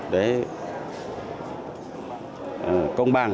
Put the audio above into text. để công bằng